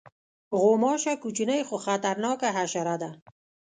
غوماشه کوچنۍ خو خطرناکه حشره ده.